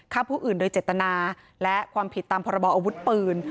ฆ่าผู้อื่นโดยเจตนาและความผิดตามพรบออาวุธปืน